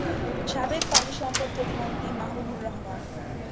সাবেক পানি সম্পদ প্রতিমন্ত্রী মাহবুবুর রহমান।